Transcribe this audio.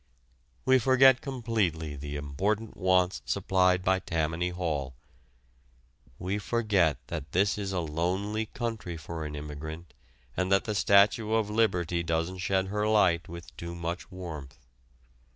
We forget completely the important wants supplied by Tammany Hall. We forget that this is a lonely country for an immigrant and that the Statue of Liberty doesn't shed her light with too much warmth.